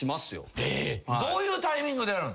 どういうタイミングで？